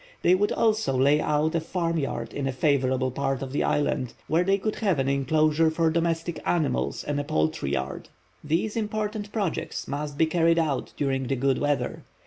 They would also lay out a farm yard in a favorable part of the island, where they could have an enclosure for domestic animals and a poultry yard. These important projects must be carried out during the good weather.